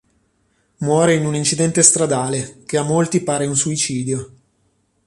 Muore in un incidente stradale, che a molti pare un suicidio.